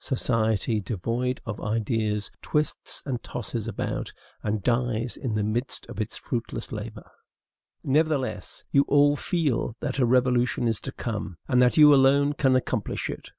Society, devoid of ideas, twists and tosses about, and dies in the midst of its fruitless labor. Nevertheless, you all feel that a revolution is to come, and that you alone can accomplish it.